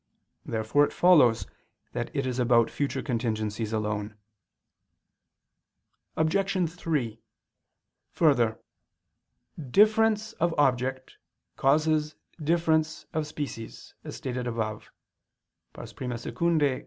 Therefore it follows that it is about future contingencies alone. Obj. 3: Further, difference of object causes difference of species, as stated above (I II, Q.